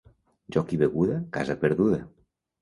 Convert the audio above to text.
Joc i beguda, casa perduda.